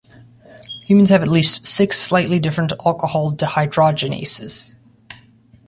Humans have at least six slightly different alcohol dehydrogenases.